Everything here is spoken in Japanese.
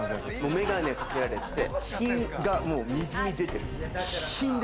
眼鏡かけられてて、品がにじみ出てる。